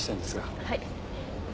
はい。